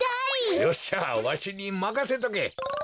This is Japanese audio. よっしゃわしにまかせとけ！